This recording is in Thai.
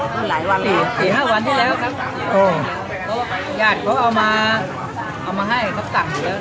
สี่ห้าวันที่แล้วครับโอ่อย่างนี้ยาดเขาเอามาเอามาให้เขาต๑๒๐๐